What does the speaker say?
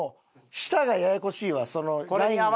下がややこしいわそのラインが。